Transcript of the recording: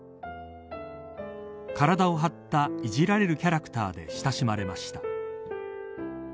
体を張ったいじられるキャラクターで親しまれました。